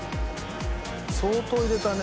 相当入れたね